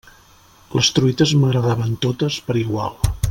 Les truites m'agradaven totes per igual.